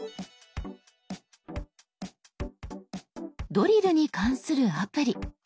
「ドリル」に関するアプリ。